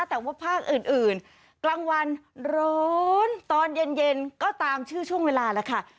แต่ว่าภาคอื่นกลางวันร้อนตอนเย็นก็ตามชื่อช่วงเวลาแล้วค่ะ